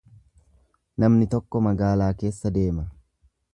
Namni tokko magaalaa keessa deema.